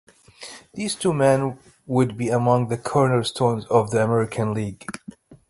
These two men would be among the cornerstones of the American League.